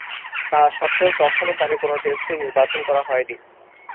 তাস্বত্ত্বেও তখনো তাকে কোন টেস্টে নির্বাচিত করা হয়নি।